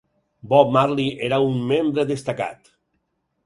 Bob Marley era un membre destacat.